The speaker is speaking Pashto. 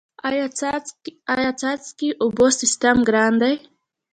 آیا د څاڅکي اوبو سیستم ګران دی؟